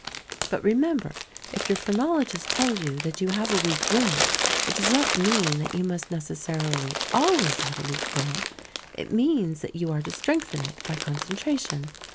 But remember if your phrenologist tells you that you have a weak will, it does not mean that you must necessarily always have a weak will. It means that you are to strengthen it, by concentration.